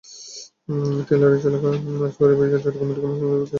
ট্রেইলরের চালক এবং আসগরের ভাইকে চট্টগ্রাম মেডিকেল কলেজ হাসপাতালে ভর্তি করা হয়েছে।